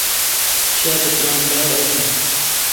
ݭارےترام باڑ آشوں۔